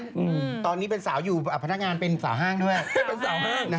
๒๔ล้านตอนนี้เป็นสาวอยู่พนักงานเป็นสาวห้างด้วย